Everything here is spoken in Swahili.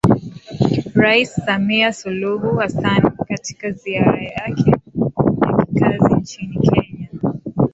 Rais Samia Suluhu Hassan katika ziara yake ya kikazi nchini Kenya